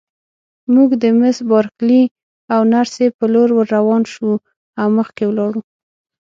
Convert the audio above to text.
موږ د مس بارکلي او نرسې په لور ورروان شوو او مخکې ولاړو.